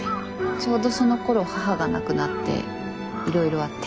ちょうどそのころ母が亡くなっていろいろあって。